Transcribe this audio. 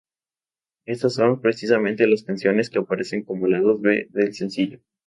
Estas son precisamente las canciones que aparecen como lados B del sencillo.